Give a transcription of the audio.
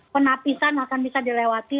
penapisan akan bisa dilewati